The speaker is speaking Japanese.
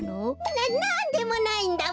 ななんでもないんだわべ。